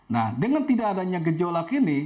nah dengan tidak adanya gejolak ini